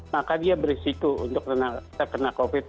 maka dia berisiko untuk terkena covid sembilan belas